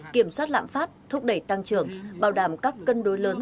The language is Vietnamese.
kiểm soát lạm phát thúc đẩy tăng trưởng bảo đảm các cân đối lớn